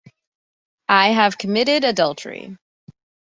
I have committed adultery.